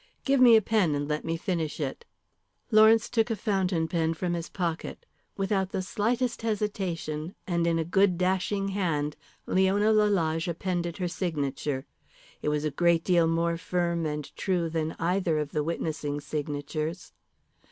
Give me a pen and let me finish it." Lawrence took a fountain pen from his pocket. Without the slightest hesitation and in a good dashing hand Leona Lalage appended her signature. It was a great deal more firm and true than either of the witnessing signatures.